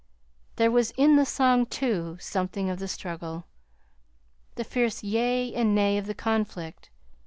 There was in the song, too, something of the struggle, the fierce yea and nay of the conflict.